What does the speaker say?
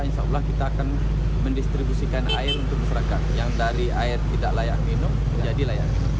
insya allah kita akan mendistribusikan air untuk masyarakat yang dari air tidak layak minum jadi layak